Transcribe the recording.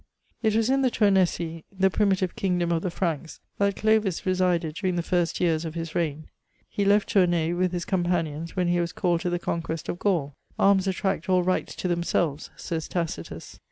It was in the Toumaisif^ the primitive kingdom of the Franks, that Clovis resided during the first years of his rdgn ; he left Toumaj with his ccnnpanions when he was called to the conquest of Gaul :^^ Arms attract all rights to themselves/' says Tacitus.